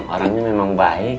orangnya memang baik